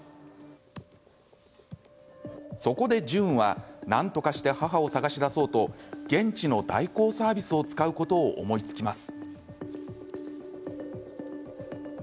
そこで、ジューンはなんとかして母を捜し出そうと現地の代行サービスを使うことを思いつきます。